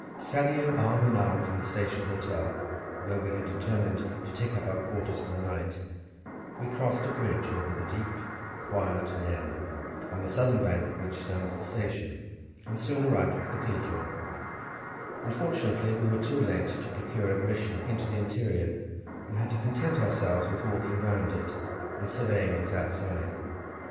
Sallying arm in arm from the Station Hotel, where we had determined to take up our quarters for the night, we crossed a bridge over the deep quiet Nen, on the southern bank of which stands the station, and soon arrived at the cathedral—unfortunately we were too late to procure admission into the interior, and had to content ourselves with walking round it and surveying its outside.